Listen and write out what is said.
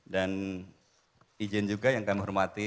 dan izin juga yang kami hormati